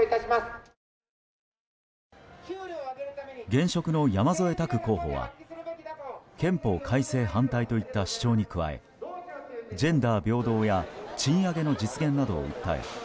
現職の山添拓候補は憲法改正反対といった主張に加えジェンダー平等や賃上げの実現などを訴え